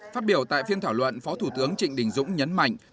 phát biểu tại phiên thảo luận phó thủ tướng trịnh đình dũng nhấn mạnh